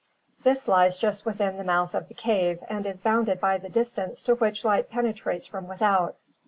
This lies just within the mouth of the cave and is bounded by the distance to which light penetrates from without.